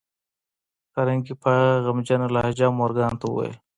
کارنګي په غمجنه لهجه مورګان ته وویل